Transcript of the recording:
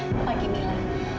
selamat pagi mila